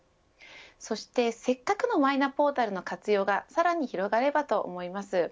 そしてせっかくのマイナポータルの活用がさらに広がればと思います。